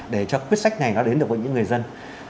để cho quyết sách này nó đến được với những người dân